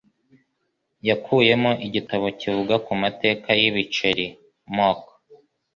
Yakuyemo igitabo kivuga ku mateka y'ibiceri. (mookeee)